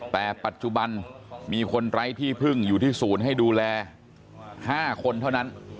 แต่ปัจจุบันมีคนไร้ที่พึ่งอยู่ที่ศูนย์ให้ดูแล๕คนเท่านั้น